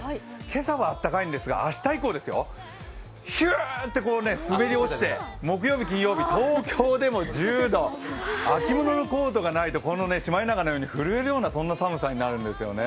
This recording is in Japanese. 今朝はあったかいんですが明日以降、ヒューッと滑り落ちて、木曜日、金曜日、東京でも１０度、秋物のコートがないとこのシマエナガのように震えるような寒さになるんですよね。